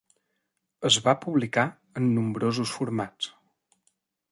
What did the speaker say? Es va publicar en nombrosos formats.